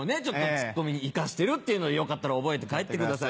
ツッコミに生かしてるっていうのでよかったら覚えて帰ってください